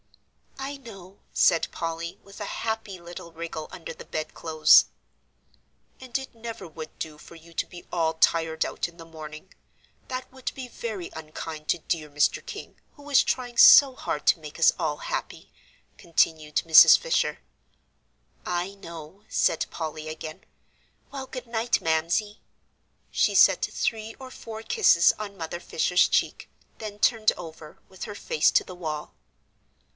"I know," said Polly, with a happy little wriggle under the bedclothes. "And it never would do for you to be all tired out in the morning. That would be very unkind to dear Mr. King, who is trying so hard to make us all happy," continued Mrs. Fisher. "I know," said Polly, again. "Well, good night, Mamsie." She set three or four kisses on Mother Fisher's cheek, then turned over, with her face to the wall.